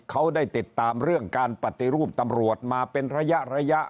เขาได้ติดตามเรื่องการปฏิรูปตำรวจมาเป็นระยะ